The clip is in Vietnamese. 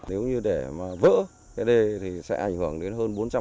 nếu như để vỡ cái đê thì sẽ ảnh hưởng đến hơn bốn mươi